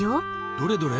どれどれ？